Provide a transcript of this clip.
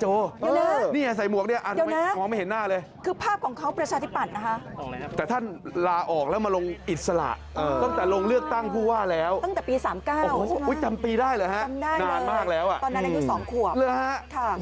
จำปีได้หรือครับนานมากแล้วน่ะจำได้เลยตอนนั้นแต่๒ขวบ